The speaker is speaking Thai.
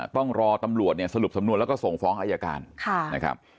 ต้องรอตำรวจเนี่ยสรุปสำนวนแล้วก็ส่งฟ้องอายการนะครับ